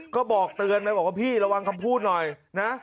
ก็บอกเตือนไปบอกว่าพี่ระวังคำพูดหน่อยนะ